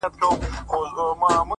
• اوس د زلمیو هوسونو جنازه ووته,